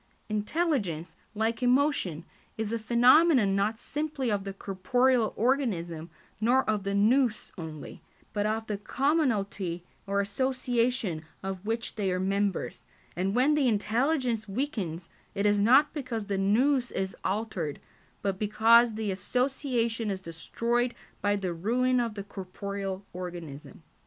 Intelligence, like emotion, is a phenomenon not simply of the corporeal organism nor of the [Greek: Nous] only, but of the commonalty or association of which they are members, and when the intelligence weakens it is not because the [Greek: Nous] is altered, but because the association is destroyed by the ruin of the corporeal organism.